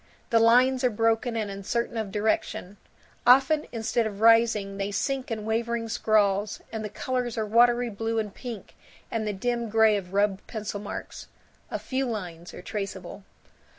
The lines are broken and uncertain of direction; often instead of rising they sink in wavering scrawls; and the colors are watery blue and pink and the dim gray of rubbed pencil marks. A few lines are traceable.